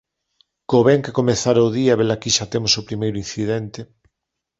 Co ben que comezara o día e velaquí xa temos o primeiro incidente.